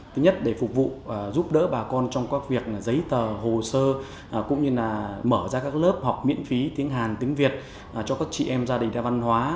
thứ nhất để phục vụ giúp đỡ bà con trong các việc giấy tờ hồ sơ cũng như là mở ra các lớp học miễn phí tiếng hàn tiếng việt cho các chị em gia đình đa văn hóa